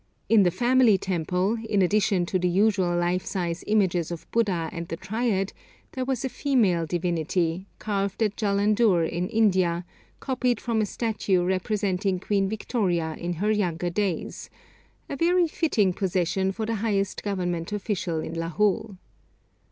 In the family temple, in addition to the usual life size images of Buddha and the Triad, there was a female divinity, carved at Jallandhur in India, copied from a statue representing Queen Victoria in her younger days a very fitting possession for the highest government official in Lahul.